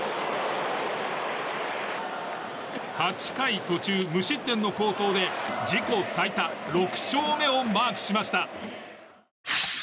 ８回途中無失点の好投で自己最多６勝目をマークしました。